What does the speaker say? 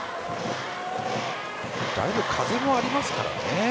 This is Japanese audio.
だいぶ、風もありますからね。